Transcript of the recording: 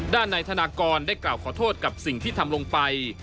ด้านนายธนากรได้กล่าวขอโทษกับสิ่งที่ทำลงไป